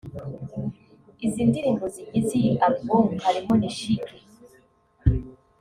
Izi ndirimbo zigize iyi album harimo Nishike